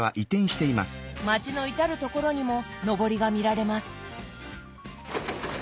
町の至る所にものぼりが見られます。